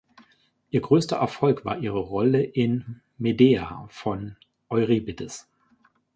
Ihr größter Erfolg war ihre Rolle in "Medea" von Euripides.